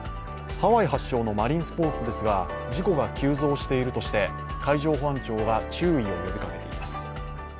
ハワイ発祥のマリンスポーツですが事故が急増しているとして海上保安庁が注意を呼びかけています。